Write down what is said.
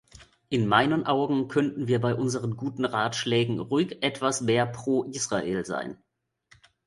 In meinen Augen könnten wir bei unseren guten Ratschlägen ruhig etwas mehr pro Israel sein.